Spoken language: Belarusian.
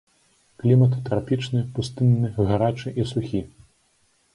Клімат трапічны, пустынны, гарачы і сухі.